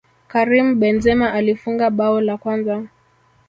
karim benzema alifunga bao la kwanza